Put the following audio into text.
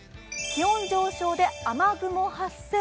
気温上昇で雨雲発生。